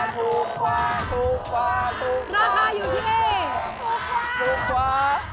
ราคาอยู่ที่ถูกกว่า